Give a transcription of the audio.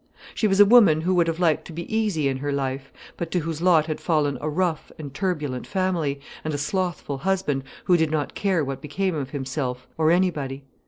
She was a woman who would have liked to be easy in her life, but to whose lot had fallen a rough and turbulent family, and a slothful husband who did not care what became of himself or anybody.